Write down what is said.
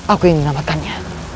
aku ingin menamatkannya